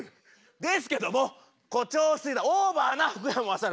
ですけども誇張しすぎたオーバーな福山雅治